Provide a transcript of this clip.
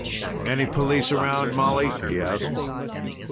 "Any police around, Molly?" he asked.